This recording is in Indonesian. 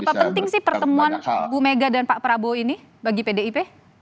apa penting sih pertemuan bu mega dan pak prabowo ini bagi pdip